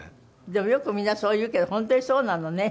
でもよくみんなそう言うけど本当にそうなのね。